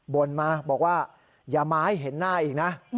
บ่นมาบอกว่าอย่ามาให้เห็นหน้าอีกนะ